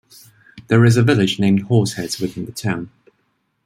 There is a village named Horseheads within the town.